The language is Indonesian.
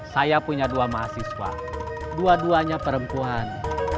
saya punya dua mahasiswa dua duanya perempuan